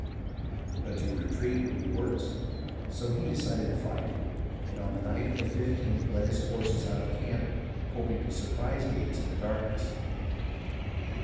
But to retreat would be worse, so he decided to fight ; and on the night of the 15th led his forces out of Camden, hoping to surprise Gates in the darkness.